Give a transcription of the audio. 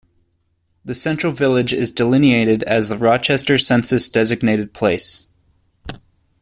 The central village is delineated as the Rochester census-designated place.